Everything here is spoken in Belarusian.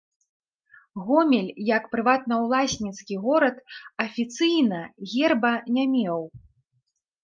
Гомель як прыватнаўласніцкі горад афіцыйна герба не меў.